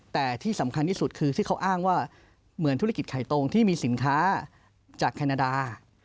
แต่ที่สำคัญที่สุดคือที่เขาอ้างว่าเหมือนธุรกิจไข่ตรงที่มีสินค้าจากแคนาดา